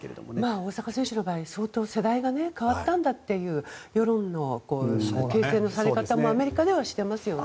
大坂選手の場合世代が変わったんだという世論の形成のされ方もアメリカではしていますよね。